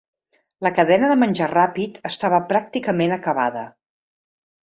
La cadena de menjar ràpid estava pràcticament acabada.